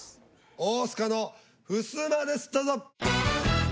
大須賀のふすまですどうぞ。